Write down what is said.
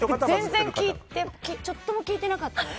全然、ちょっとも聞いてなかったの？